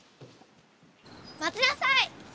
まちなさい！